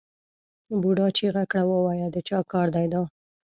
بوډا چیغه کړه ووایه د چا کار دی دا؟